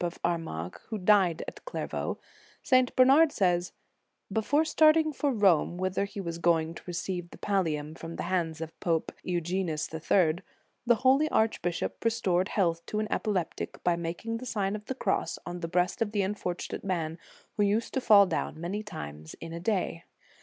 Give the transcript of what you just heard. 169 of Armagh, who died at Clairvaux, St. Ber nard says: "Before starting for Rome, whither he was going to receive the pallium from the hands of Pope Eugenius III., the holy arch bishop restored health to an epileptic by making the Sign of the Cross on the breast of the unfortunate man, who used to fall down many times in a day.